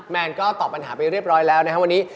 แนนก็ตอบปัญหาไปเรียบร้อยแล้วนะครับวันนี้